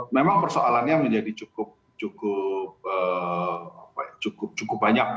memang persoalannya menjadi cukup banyak